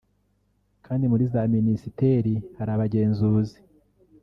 kandi muri za Minisiteri hari abagenzuzi